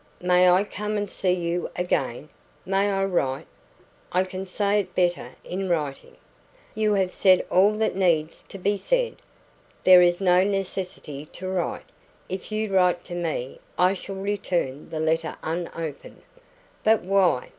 "May I come and see you again? May I write? I can say it better in writing." "You have said all that needs to be said. There is no necessity to write. If you write to me, I shall return the letter unopened." "But why?